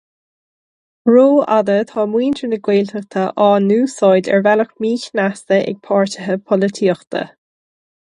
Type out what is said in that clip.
Ró-fhada atá muintir na Gaeltachta á n-úsáid ar bhealach mí-chneasta ag páirtithe polaitíochta.